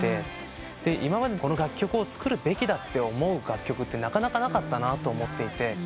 今までこの楽曲を作るべきだって思う楽曲ってなかなかなかったなと思っていて。